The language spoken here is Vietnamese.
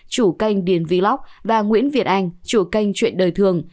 chủ kênh điền vlog và nguyễn việt anh chủ kênh chuyện đời thường